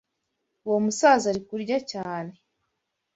Uwo musaza ni kurya cyane.